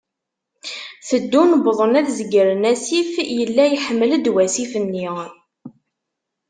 Teddun, wḍen ad zegren asif, yella iḥmel-d wasif-nni.